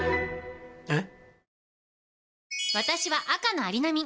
えっ？